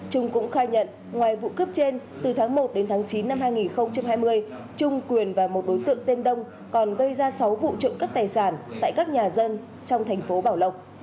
trung cũng khai nhận ngoài vụ cướp trên từ tháng một đến tháng chín năm hai nghìn hai mươi trung quyền và một đối tượng tên đông còn gây ra sáu vụ trộm cắp tài sản tại các nhà dân trong thành phố bảo lộc